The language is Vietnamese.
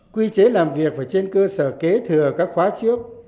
quy chế làm việc phải trên cơ sở kế thừa các khóa trước